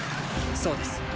そうです。